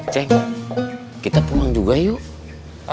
cek kita pulang juga yuk